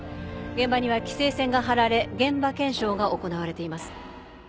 現場には規制線が張られ現場検証が行われています。